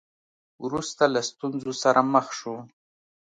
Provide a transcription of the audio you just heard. وروسته له ستونزو سره مخ شو.